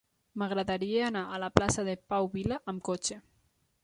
M'agradaria anar a la plaça de Pau Vila amb cotxe.